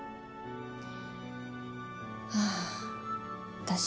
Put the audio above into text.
ああ私